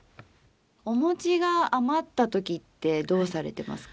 お餅が余った時ってどうされてますか？